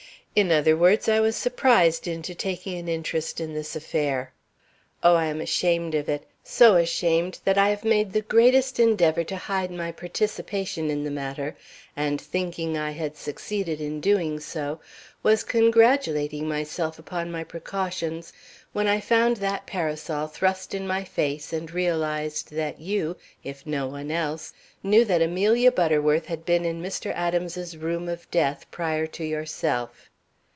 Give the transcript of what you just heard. In other words, I was surprised into taking an interest in this affair. Oh, I am ashamed of it, so ashamed that I have made the greatest endeavor to hide my participation in the matter, and thinking I had succeeded in doing so, was congratulating myself upon my precautions, when I found that parasol thrust in my face and realized that you, if no one else, knew that Amelia Butterworth had been in Mr. Adams's room of death prior to yourself.